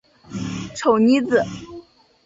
丑妮子。